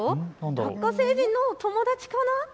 ラッカ星人の友達かな。